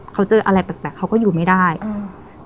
เขาเจออะไรแปลกแปลกเขาก็อยู่ไม่ได้อืม